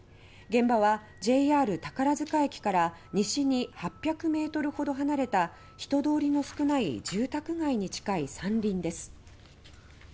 現場はＪＲ宝塚駅から西に８００ｍほど離れた人通りの少ない住宅街に近い山林です。